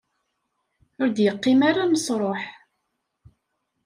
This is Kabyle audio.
Ur d-yeqqim ara nesruḥ.